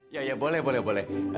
ya ya boleh boleh